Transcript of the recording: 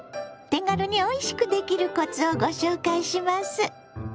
手軽においしくできるコツをご紹介します。